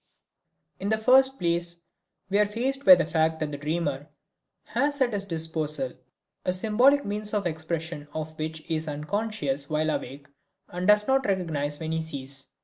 In the first place, we are faced by the fact that the dreamer has at his disposal a symbolic means of expression of which he is unconscious while awake, and does not recognize when he sees.